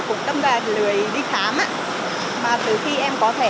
cũng được ba năm rồi ạ